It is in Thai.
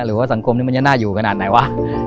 สังคมนี้มันจะน่าอยู่ขนาดไหนวะ